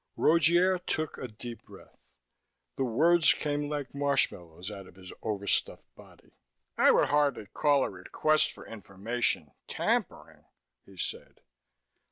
Rogier took a deep breath. The words came like marshmallow out of his overstuffed body. "I would hardly call a request for information 'tampering'," he said.